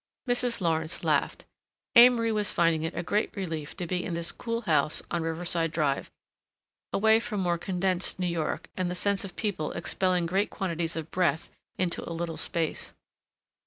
Mrs. Lawrence laughed. Amory was finding it a great relief to be in this cool house on Riverside Drive, away from more condensed New York and the sense of people expelling great quantities of breath into a little space.